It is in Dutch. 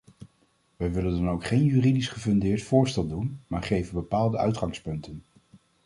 Wij willen dan ook geen juridisch gefundeerd voorstel doen, maar geven bepaalde uitgangspunten.